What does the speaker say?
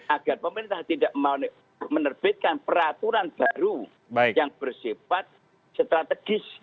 agar pemerintah tidak menerbitkan peraturan baru yang bersifat strategis